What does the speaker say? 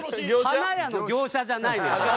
花屋の業者じゃないですから。